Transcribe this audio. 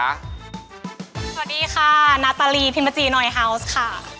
สวัสดีค่ะนาตาลีพิมจีนอยฮาวส์ค่ะ